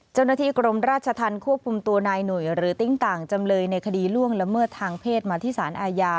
เจ้าหน้าที่กรมราชธรรมควบคุมตัวนายหนุ่ยหรือติ้งต่างจำเลยในคดีล่วงละเมิดทางเพศมาที่สารอาญา